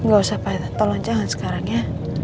gak usah tolong jangan sekarang ya